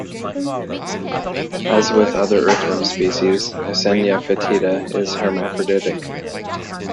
As with other earthworm species, "Eisenia fetida" is hermaphroditic.